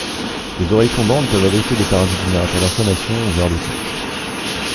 Les oreilles tombantes peuvent abriter des parasites générateurs d'inflammations voire d'otites.